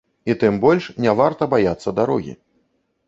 І тым больш не варта баяцца дарогі.